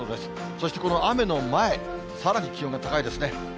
そしてこの雨の前、さらに気温が高いですね。